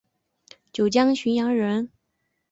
九江浔阳人人。